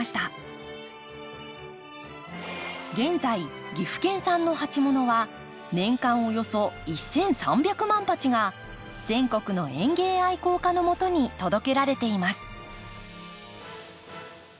現在岐阜県産の鉢物は年間およそ１，３００万鉢が全国の園芸愛好家のもとに届けられています。